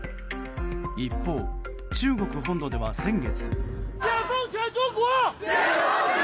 一方、中国本土では先月。